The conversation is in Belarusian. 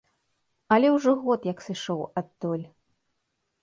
Але ўжо год як сышоў адтуль.